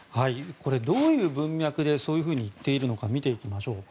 これ、どういう文脈でそう言っているのか見ていきましょう。